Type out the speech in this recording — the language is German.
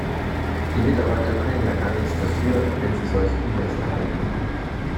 Die Mitarbeiter können ja gar nichts dafür, wenn sie solche E-Mails erhalten.